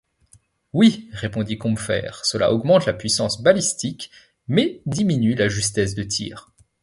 Oui, répondit Combeferre, cela augmente la puissance balistique, mais diminue la justesse de tir.